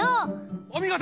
おみごと！